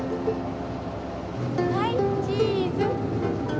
はいチーズ。